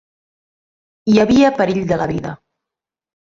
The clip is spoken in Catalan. Hi havia perill de la vida.